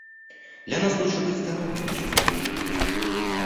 Для нас лучше быть здоровыми, чем богатыми».